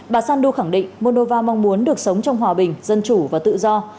bà sandu khẳng định moldova mong muốn được sống trong hòa bình dân chủ và tự do